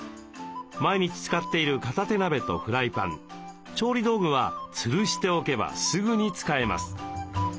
毎日使っている片手鍋とフライパン調理道具はつるしておけばすぐに使えます。